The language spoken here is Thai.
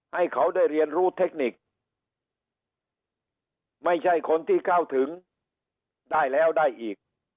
ให้เขาได้เรียนรู้เทคนิคไม่ใช่คนที่เข้าถึงได้แล้วได้อีก